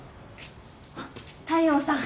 あっ大陽さん。